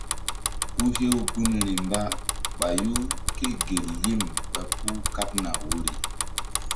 Ku hew gunri mba ɓayu kégel yim ɓa puh kaɓna woyri.